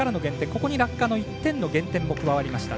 ここに落下の１点の減点も加わりました。